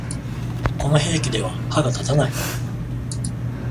この兵器では歯が立たない